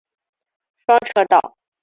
双车道。